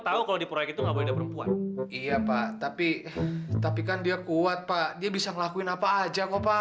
tapi peraturan tetep peraturan wak